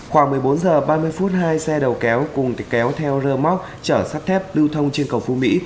khoảng một mươi bốn h ba mươi phút hai xe đầu kéo cùng kéo theo rơ móc chở sắt thép lưu thông trên cầu phú mỹ